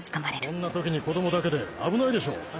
こんな時に子供だけで危ないでしょ。